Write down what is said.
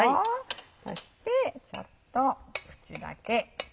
そしてちょっと縁だけ。